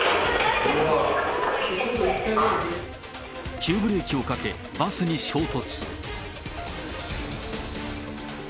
急ブレーキをかけ、バスに衝突。